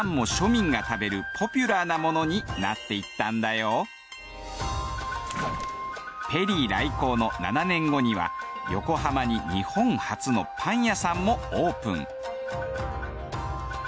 その結果ペリー来航の７年後には横浜に日本初のパン屋さんもオープン。